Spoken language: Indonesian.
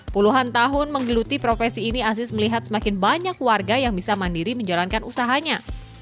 puluhan tahun menggeluti profesi ini aziz melihat semakin banyak warga yang bisa mandiri menjalankan usahanya